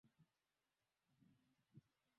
na utawala wa sheria na utawala wa haki